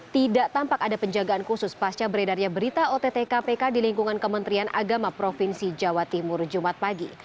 tidak tampak ada penjagaan khusus pasca beredarnya berita ott kpk di lingkungan kementerian agama provinsi jawa timur jumat pagi